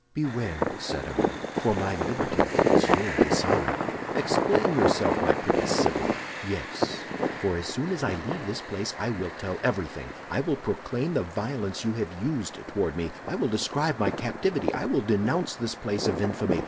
"'Beware!' said I, 'for my liberty is your dishonor.' "'Explain yourself, my pretty sibyl!' "'Yes; for as soon as I leave this place I will tell everything. I will proclaim the violence you have used toward me. I will describe my captivity. I will denounce this place of infamy.